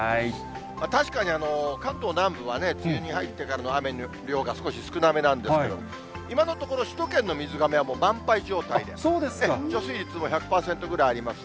確かに、関東南部は梅雨に入ってからの雨の量が少し少なめなんですけど、今のところ、首都圏の水がめは満杯状態で、貯水率も１００％ぐらいあります。